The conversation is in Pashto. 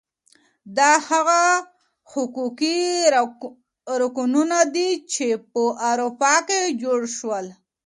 دا هغه حقوقي رکنونه دي چي په اروپا کي جوړ سول.